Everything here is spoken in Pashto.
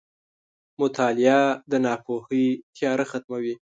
• مطالعه د ناپوهۍ تیاره ختموي.